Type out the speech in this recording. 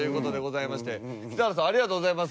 いやあありがとうございます。